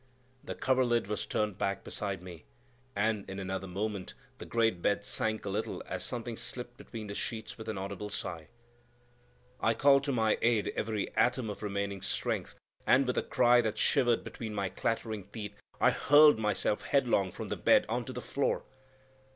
The coverlid was turned back beside me, and in another moment the great bed sank a little as something slipped between the sheets with an audible sigh. I called to my aid every atom of remaining strength, and, with a cry that shivered between my clattering teeth, I hurled myself headlong from the bed on to the floor.